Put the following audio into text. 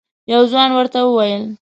یو ځوان ورته وویل: